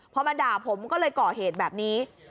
พอมาด่าผมก็เลยก่อเหตุแบบนี้